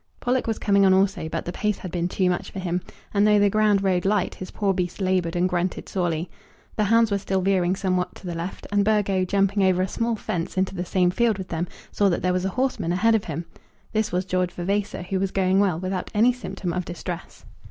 Pollock was coming on also; but the pace had been too much for him, and though the ground rode light his poor beast laboured and grunted sorely. The hounds were still veering somewhat to the left, and Burgo, jumping over a small fence into the same field with them, saw that there was a horseman ahead of him. This was George Vavasor, who was going well, without any symptom of distress.